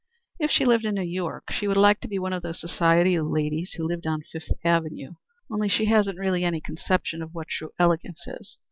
"If she lived in New York she would like to be one of those society ladies who live on Fifth Avenue; only she hasn't really any conception of what true elegance is.